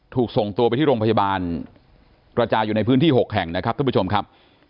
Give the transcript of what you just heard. ถูกส่งตัวไปที่โรงพยาบาลกระจายอยู่ในพื้นที่๖แห่งนะครับท่านผู้ชมครับ